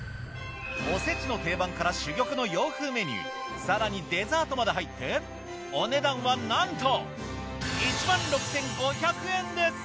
おせちの定番から珠玉の洋風メニュー更にデザートまで入ってお値段はなんと。